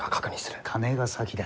金が先だ。